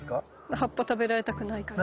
葉っぱ食べられたくないから。